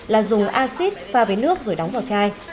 là dùng acid pha với nước rồi đóng vào chai